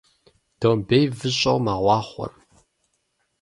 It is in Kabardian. Домбей выщӀэу мэгъуахъуэ.